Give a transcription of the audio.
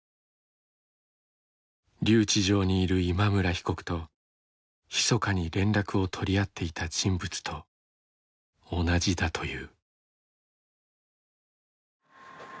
留置場にいる今村被告とひそかに連絡を取り合っていた人物と同じだという。